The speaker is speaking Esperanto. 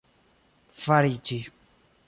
fariĝi